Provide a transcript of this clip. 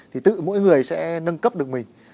thì tự mỗi người sẽ nâng cấp được mình